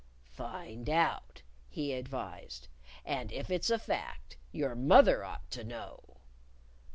"Find out," he advised. "And if it's a fact, your mother ought to know."